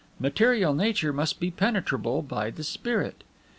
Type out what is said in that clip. Material nature must be penetrable by the spirit.